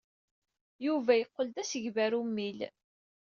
Yuba yeqqel d asegbar ummil.